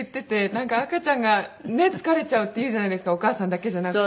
なんか赤ちゃんがね疲れちゃうっていうじゃないですかお母さんだけじゃなくて。